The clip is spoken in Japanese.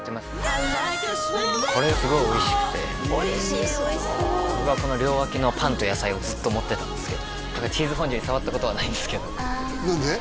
これすごいおいしくておいしそう僕はこの両脇のパンと野菜をずっともってたんですけどチーズフォンデュに触ったことはないんですけど何で？